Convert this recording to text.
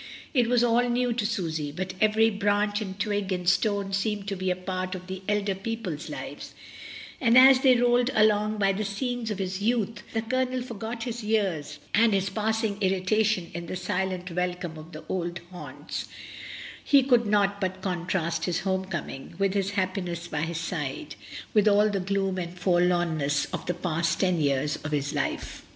It was all new to Susy, but every branch and twig and stone seemed to be a part of the elder people's lives, and as they rolled along by the scenes of his youth, the Colonel forgot his years and his passing irritation in the silent welcome of the old haunts; he could not but contrast this home coming, with his happiness by his side, with all the gloom and forlomness of the past ten years of his life.